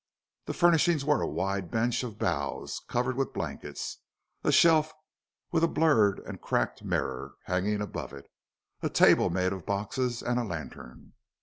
The furnishings were a wide bench of boughs covered with blankets, a shelf with a blurred and cracked mirror hanging above it, a table made of boxes, and a lantern.